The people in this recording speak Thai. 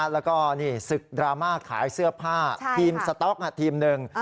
แล้วก็ศึกดราม่าขายเสื้อผ้าทีมสต๊อกทีมหนึ่ง